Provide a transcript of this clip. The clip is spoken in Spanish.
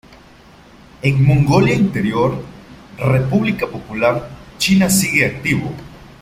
En Mongolia Interior, República Popular China sigue activo.